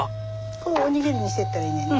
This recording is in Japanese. これをおにぎりにしてったらいいねんね。